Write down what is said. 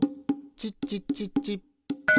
チッチッチッチッ。